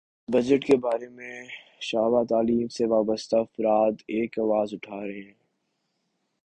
اس سال بجٹ کے بارے میں شعبہ تعلیم سے وابستہ افراد ایک آواز اٹھا رہے ہیں